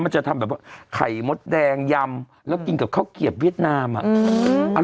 จะทำแบบว่าไข่มดแดงยำแล้วกินกับข้าวเกียบเวียดนามอ่ะ